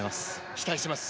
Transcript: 期待しています。